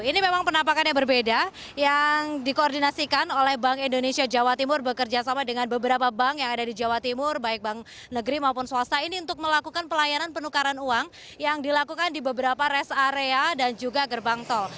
ini memang penampakan yang berbeda yang dikoordinasikan oleh bank indonesia jawa timur bekerjasama dengan beberapa bank yang ada di jawa timur baik bank negeri maupun swasta ini untuk melakukan pelayanan penukaran uang yang dilakukan di beberapa rest area dan juga gerbang tol